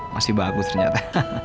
masih bagus ternyata